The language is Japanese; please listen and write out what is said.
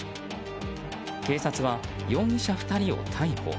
警察は容疑者２人を逮捕。